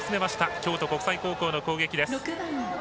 京都国際高校の攻撃です。